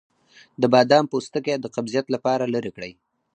د بادام پوستکی د قبضیت لپاره لرې کړئ